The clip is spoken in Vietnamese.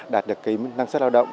đạt được cái năng suất lao động